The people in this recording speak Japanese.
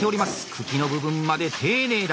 茎の部分まで丁寧だ。